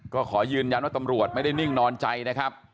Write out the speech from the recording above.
ก็ขอยืนยันว่าตำรวจไม่ได้นิ่งนอนใจนะครับ